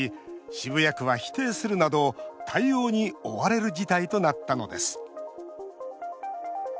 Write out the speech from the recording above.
渋谷区は否定するなど対応に追われる事態となったのです。